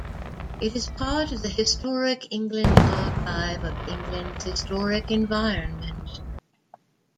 It is part of the Historic England Archive of England's historic environment.